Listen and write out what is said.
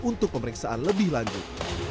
untuk pemeriksaan lebih lanjut